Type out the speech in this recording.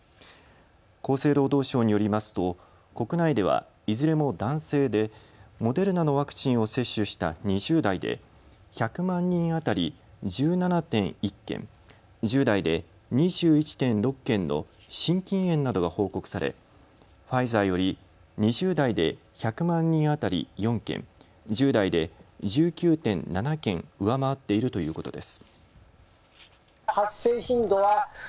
厚生労働省によりますと国内ではいずれも男性でモデルナのワクチンを接種した２０代で１００万人当たり１７．１件、１０代で２１．６件の心筋炎などが報告されファイザーより２０代で１００万人当たり、４件、１０代で１９．７件上回っているということです。